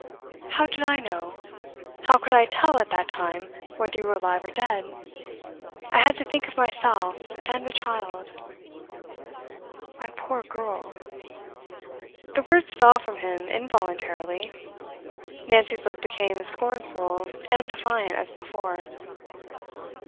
'How did I know? How could I tell, at that time, whether you were alive or dead? I had to think of myself and the child.' 'My poor girl!' The words fell from him involuntarily. Nancy's look became as scornful and defiant as before.